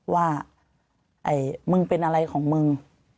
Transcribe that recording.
ว่ามึงเป็นอะไรของมึง